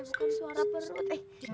bukan suara perut